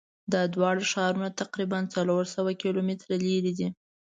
دا دواړه ښارونه تقریبآ څلور سوه کیلومتره لری دي.